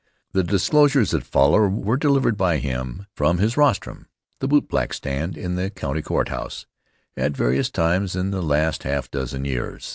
The discourses that follow were delivered by him from his rostrum, the bootblack stand in the County Court house, at various times in the last half dozen years.